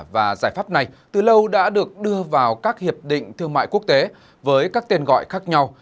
và giải pháp này từ lâu đã được đưa vào các hiệp định thương mại quốc tế với các tên gọi khác nhau